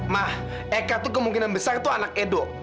ma eka tuh kemungkinan besar tuh anak edo